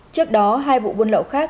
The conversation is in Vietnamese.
trước đó hai vụ buôn lậu khác